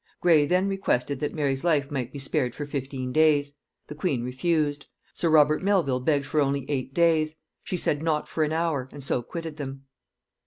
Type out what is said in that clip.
Gray then requested that Mary's life might be spared for fifteen days; the queen refused: sir Robert Melvil begged for only eight days; she said not for an hour, and so quitted them.